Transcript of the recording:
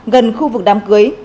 gần khu vực đàm cưới